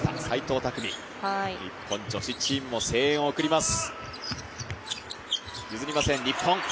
日本女子チームも声援を送ります。